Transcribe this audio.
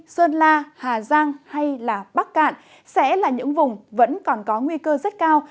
sơn la hà giang hay bắc cạn sẽ là những vùng vẫn còn có nguy cơ rất cao